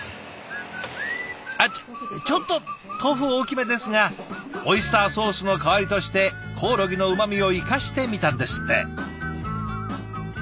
あっちょっと豆腐大きめですがオイスターソースの代わりとしてコオロギのうまみを生かしてみたんですって。